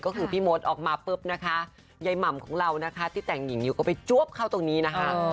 ก็คือพี่มดออกมาปุ๊บนะคะยายหม่ำของเรานะคะที่แต่งหญิงอยู่ก็ไปจวบเข้าตรงนี้นะคะ